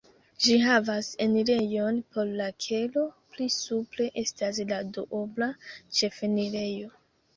Ĝi havas enirejon por la kelo, pli supre estas la duobla ĉefenirejo.